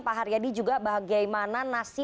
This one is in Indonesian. pak haryadi juga bagaimana nasi